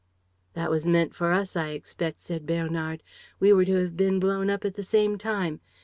"That was meant for us, I expect," said Bernard. "We were to have been blown up at the same time.